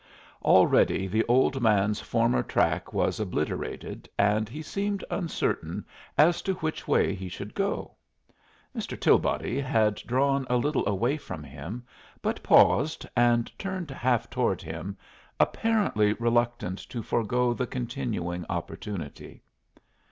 Already the old man's former track was obliterated, and he seemed uncertain as to which way he should go. Mr. Tilbody had drawn a little away from him, but paused and turned half toward him, apparently reluctant to forego the continuing opportunity.